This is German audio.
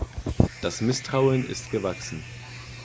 Das Misstrauen ist gewachsen.